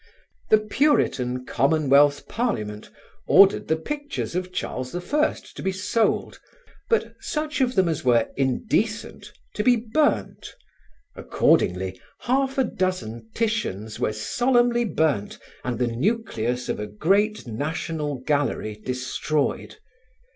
The Puritan Commonwealth Parliament ordered the pictures of Charles I. to be sold, but such of them as were indecent to be burnt; accordingly half a dozen Titians were solemnly burnt and the nucleus of a great national gallery destroyed.